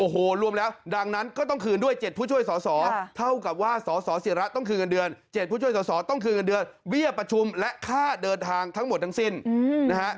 โอ้โหรวมแล้วดังนั้นก็ต้องคืนด้วย๗ผู้ช่วยสอสอเท่ากับว่าสสิระต้องคืนเงินเดือน๗ผู้ช่วยสอสอต้องคืนเงินเดือนเบี้ยประชุมและค่าเดินทางทั้งหมดทั้งสิ้นนะฮะ